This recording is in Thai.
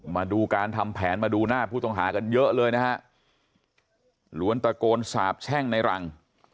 มาดูการทำแผนมาดูหน้าผู้ต้องหากันเยอะเลยนะฮะล้วนตะโกนสาบแช่งในรัง